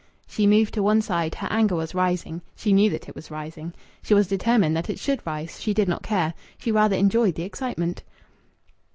She moved to one side; her anger was rising. She knew that it was rising. She was determined that it should rise. She did not care. She rather enjoyed the excitement.